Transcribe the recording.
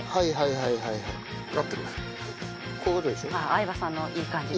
相葉さんのいい感じです。